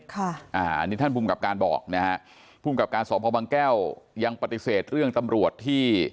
ค่ะอ่าอันนี้ท่านภูมิกับการบอกนะฮะภูมิกับการสอบพ่อบางแก้วยังปฏิเสธเรื่องตำรวจที่